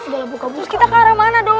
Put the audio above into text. udah buka bus kita ke arah mana dong